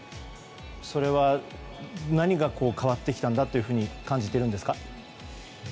それは何が変わってきたんだというふうに感じてるんですか？